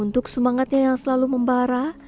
untuk semangatnya yang selalu membara